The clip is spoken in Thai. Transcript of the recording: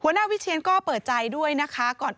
หัวหน้าวิเชียรก็เปิดใจด้วยนะคะ